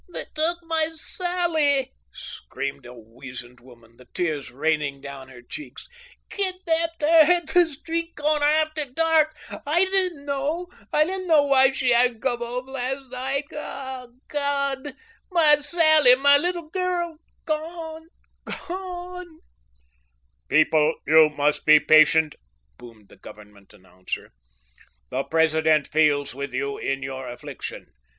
"They took my Sally," screamed a wizened woman, the tears raining down her checks. "Kidnapped her at the street corner after dark. I didn't know why she hadn't come home last night. God, my Sally, my little girl, gone gone " "People, you must be patient," boomed the Government announcer. "The President feels with you in your affliction.